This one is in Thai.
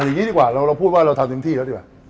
เอาอย่างนี้ดีกว่าพูดว่าเราทำทริมที่หรอกดีกว่ะ